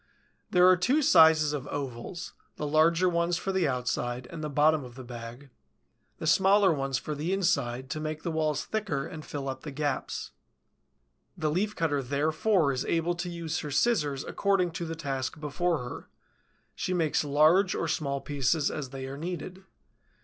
There are two sizes of ovals, the larger ones for the outside and bottom of the bag; the smaller ones for the inside, to make the walls thicker and fill up the gaps. The Leaf cutter therefore is able to use her scissors according to the task before her; she makes large or small pieces as they are needed.